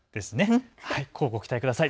こうご期待ください。